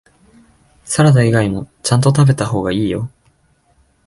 サラダ以外もちゃんと食べた方がいいよ